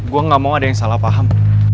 gue gak mau ada yang salah paham